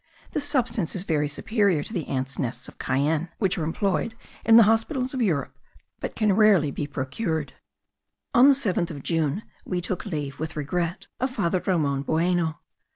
This substance is very superior to the ants' nests of Cayenne, which are employed in the hospitals of Europe, but can rarely be procured. On the 7th of June we took leave with regret of Father Ramon Bueno.